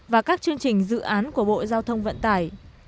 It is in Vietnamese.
và các chương trình dự án của bộ giao thông vận tải